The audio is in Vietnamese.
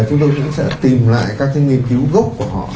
chúng tôi cũng sẽ tìm lại các cái nghiên cứu gốc của họ